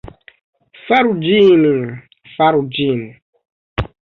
Faru ĝin. Faru ĝin.